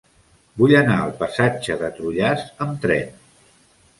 Vull anar al passatge de Trullàs amb tren.